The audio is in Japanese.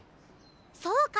そうか。